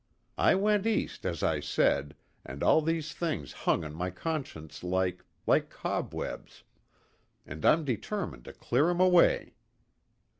I went east as I said, and all these things hung on my conscience like like cobwebs, and I'm determined to clear 'em away.